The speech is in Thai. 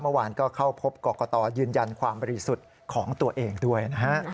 เมื่อวานก็เข้าพบกรกตยืนยันความบริสุทธิ์ของตัวเองด้วยนะฮะ